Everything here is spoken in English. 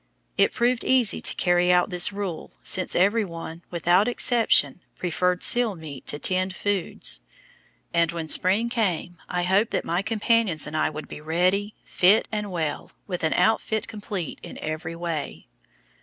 It proved easy to carry out this rule, since everyone, without exception, preferred seal meat to tinned foods. And when spring came I hoped that my companions and I would be ready, fit and well, with an outfit complete in every way.